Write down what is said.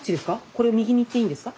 これ右に行っていいんですか？